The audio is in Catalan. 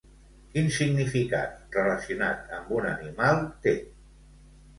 Quin significat relacionat amb un animal té?